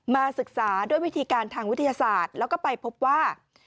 ศึกษาด้วยวิธีการทางวิทยาศาสตร์แล้วก็ไปพบว่า